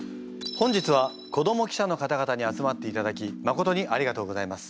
本日は子ども記者の方々に集まっていただきまことにありがとうございます。